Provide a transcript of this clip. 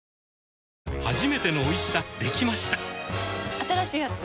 新しいやつ？